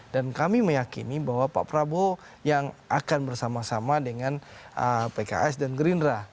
kami meyakini bahwa pak prabowo yang akan bersama sama dengan pks dan gerindra